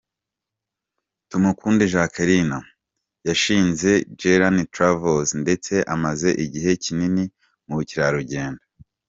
Tumukunde Jacqueline: Yashinze Jallyn Travels ndetse amaze igihe kinini mu bukerarugendo.